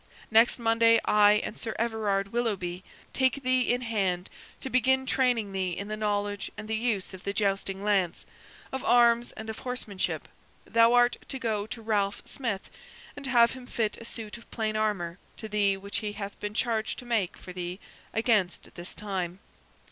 Next Monday I and Sir Everard Willoughby take thee in hand to begin training thee in the knowledge and the use of the jousting lance, of arms, and of horsemanship. Thou art to go to Ralph Smith, and have him fit a suit of plain armor to thee which he hath been charged to make for thee against this time.